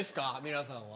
皆さんは。